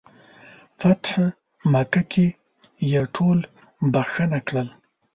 فتح مکه کې یې ټول بخښنه کړل.